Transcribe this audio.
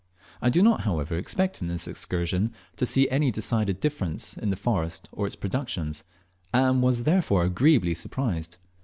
I did not, however, expect in this excursion to see any decided difference in the forest or its productions, and was therefore agreeably surprised.